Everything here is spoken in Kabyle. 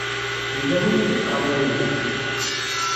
Yella win i d-iṭṭalayen deg-k.